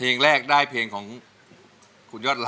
อันดับนี้เป็นแบบนี้